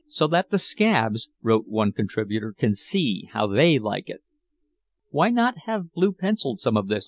"So that the scabs," wrote one contributor, "can see how they like it." "Why not have blue penciled some of this?"